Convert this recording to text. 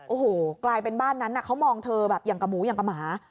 โอ้โหกลายเป็นบ้านนั้นเขามองเธอแบบอย่างกับหมูอย่างกับหมา